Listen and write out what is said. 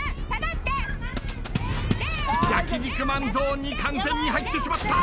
焼肉マンゾーンに完全に入ってしまった。